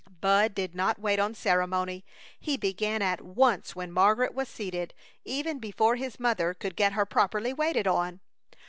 Bud did not wait on ceremony. He began at once when Margaret was seated, even before his mother could get her properly waited on.